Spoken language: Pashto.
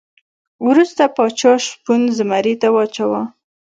وروسته پاچا شپون زمري ته واچاوه.